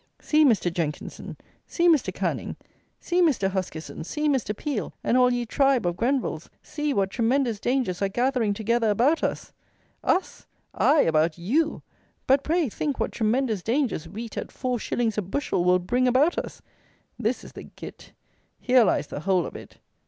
See, Mr. Jenkinson, see, Mr. Canning, see, Mr. Huskisson, see, Mr. Peel, and all ye tribe of Grenvilles, see, what tremendous dangers are gathering together about us! "Us!" Aye, about you; but pray think what tremendous dangers wheat at four shillings a bushel will bring about us! This is the git. Here lies the whole of it.